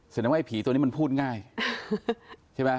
แสดงว่าไอผีตัวนี้มันพูดง่ายใช่ไหม